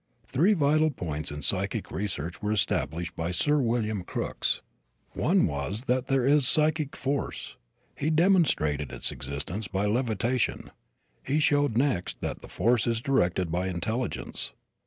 Three vital points in psychic research were established by Sir William Crookes. One was that there is psychic force. He demonstrated its existence by levitation. He showed next, that the force is directed by intelligence.